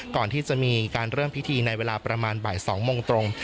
ก่อนที่จะมีการเริ่มพิธีในเวลาประมาณบ่าย๒โมงตรง